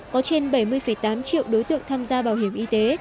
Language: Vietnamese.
có trên bảy mươi tám triệu đối tượng tham gia bảo hiểm y tế